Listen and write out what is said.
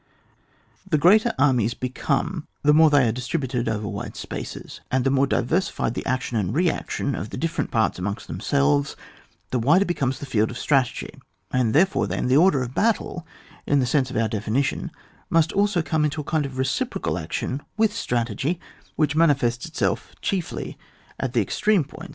The greater armies become, the more they are distributed over wide spaces and the more diversified the action and reaction of the different parts amongst themselves, the wider becomes the field of strategy, and, therefore, then the order of battle, in the sense of our definition, must also come into a kind of reciprocal action with strategy, which manifests itself chiefiy at the extreme points where CHAP, v.